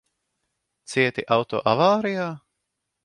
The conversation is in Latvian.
Cieti auto avārijā?